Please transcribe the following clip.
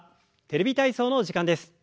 「テレビ体操」の時間です。